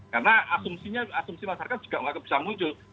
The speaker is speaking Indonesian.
karena asumsinya asumsi masyarakat juga bisa muncul